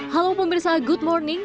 halo pemerintah good morning